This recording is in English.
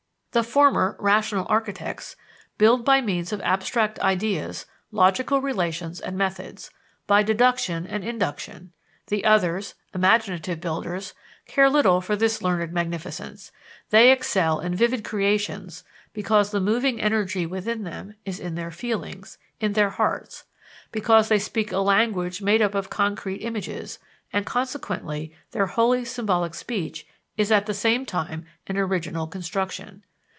The former, rational architects, build by means of abstract ideas, logical relations and methods, by deduction and induction; the others, imaginative builders, care little for this learned magnificence they excel in vivid creations because the moving energy with them is in their feelings, "in their hearts;" because they speak a language made up of concrete images, and consequently their wholly symbolic speech is at the same time an original construction.